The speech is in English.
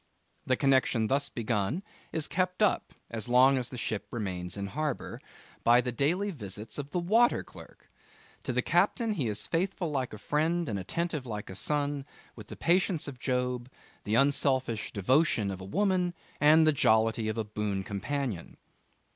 The connection thus begun is kept up, as long as the ship remains in harbour, by the daily visits of the water clerk. To the captain he is faithful like a friend and attentive like a son, with the patience of Job, the unselfish devotion of a woman, and the jollity of a boon companion.